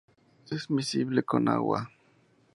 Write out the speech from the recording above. Es miscible con agua.